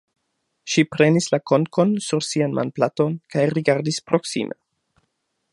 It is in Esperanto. Ŝi prenis la konkon sur sian manplaton kaj rigardis proksime.